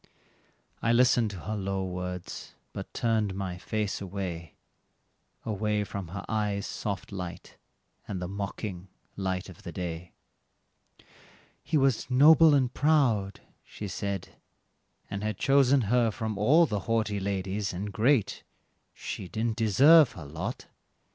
I listened to her low words, but turned my face away Away from her eyes' soft light, and the mocking light of the day. "He was noble and proud," she said, "and had chosen her from all The haughty ladies, and great; she didn't deserve her lot."